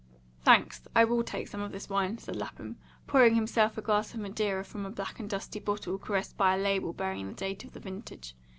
"Thanks, I will take some of this wine," said Lapham, pouring himself a glass of Madeira from a black and dusty bottle caressed by a label bearing the date of the vintage.